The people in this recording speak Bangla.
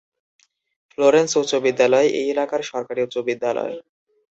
ফ্লোরেন্স উচ্চ বিদ্যালয় এই এলাকার সরকারি উচ্চ বিদ্যালয়।